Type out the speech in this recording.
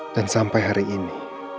dan sampai hari ini